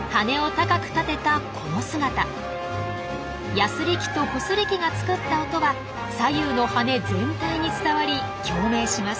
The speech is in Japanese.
ヤスリ器とコスリ器が作った音は左右の翅全体に伝わり共鳴します。